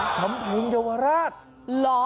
สำเพ็งเยาวราช